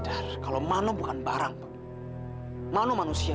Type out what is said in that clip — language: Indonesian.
ibu akan mengakui